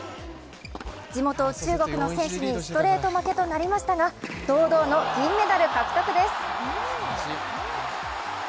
地元・中国の選手にストレート負けとなりましたが堂々の銀メダル獲得です。